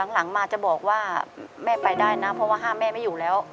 หลังมาจะบอกว่าแม่ไปได้นะเพราะว่าห้ามแม่ไม่อยู่แล้ว